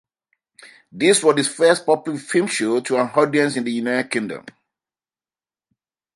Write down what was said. This was the first public film show to an audience in the United Kingdom.